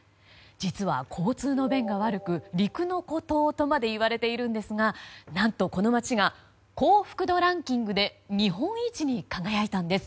実は交通の便が悪く陸の孤島とまで言われているんですが何と、この町が幸福度ランキングで日本一に輝いたんです。